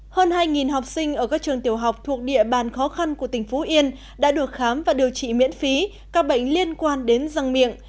hơn hai học sinh ở các trường tiểu học thuộc địa bàn khó khăn của tỉnh phú yên đã được khám và điều trị miễn phí các bệnh liên quan đến răng miệng